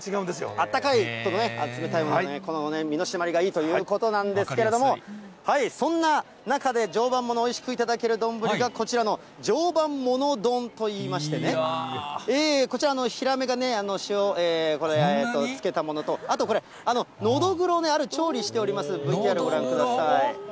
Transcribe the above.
あったかいとこと、冷たいものがね、身の締まりがいいということなんですけれども、そんな中で、常磐もの、おいしく頂ける丼が、こちらの常磐もの丼といいましてね、こちら、ヒラメがね、つけたものと、あとこれ、ノドグロの調理をしておりますＶＴＲご覧ください。